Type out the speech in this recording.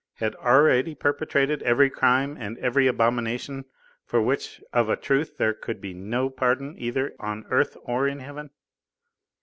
had already perpetrated every crime and every abomination for which of a truth there could be no pardon either on earth or in Heaven?